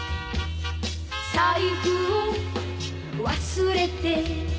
「財布を忘れて」